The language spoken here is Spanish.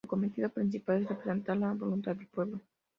Su cometido principal es representar la voluntad del pueblo.